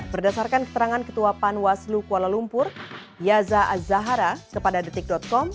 berdasarkan keterangan ketua panwaslu kuala lumpur yaza azahara kepada detik com